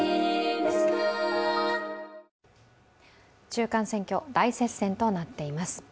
中間選挙大接戦となっています。